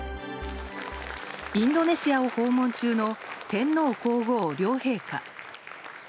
インドネシアを訪問中の天皇・皇后両陛下。